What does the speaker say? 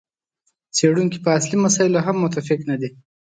څېړونکي په اصلي مسایلو هم متفق نه دي.